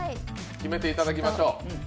決めていただきましょう。